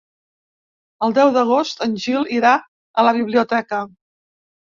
El deu d'agost en Gil irà a la biblioteca.